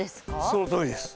そのとおりです。